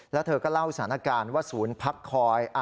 แล้วเธอก็เล่าสถานการณ์ว่าศูนย์พักคอย